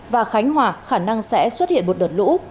và khánh hòa khả năng sẽ xuất hiện một đợt lũ